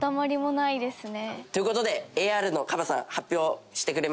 という事でＡＲのカバさん発表してくれますので。